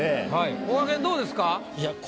こがけんどうですか？